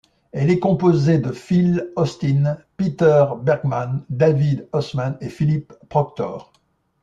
Elle est composée de Phil Austin, Peter Bergman, David Ossman et Philip Proctor.